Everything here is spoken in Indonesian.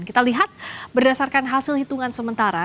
kita lihat berdasarkan hasil hitungan sementara